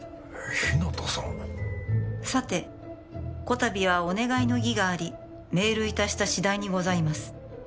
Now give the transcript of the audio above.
日向さん「さて此度はお願いの儀があり」「メール致した次第にございます」